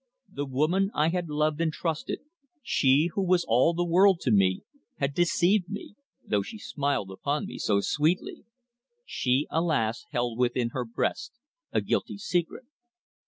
The woman I had loved and trusted, she who was all the world to me, had deceived me, though she smiled upon me so sweetly. She, alas! held within her breast a guilty secret.